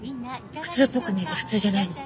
普通っぽく見えて普通じゃないの。